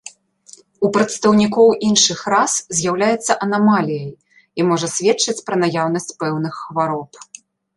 У прадстаўнікоў іншых рас з'яўляецца анамаліяй і можа сведчыць пра наяўнасць пэўных хвароб.